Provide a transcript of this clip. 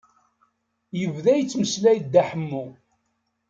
Yebda yettmeslay Dda Ḥemmu.